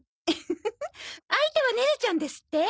フフフフッ相手はネネちゃんですって？